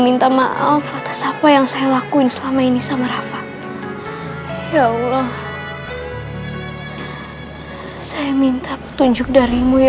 minta maaf atas apa yang saya lakuin selama ini sama rafa ya allah saya minta petunjuk darimu ya